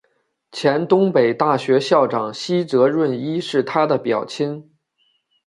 前东北大学校长西泽润一是他的表亲。